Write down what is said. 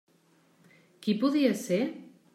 Qui podia ser?